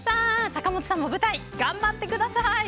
坂本さんも舞台頑張ってください！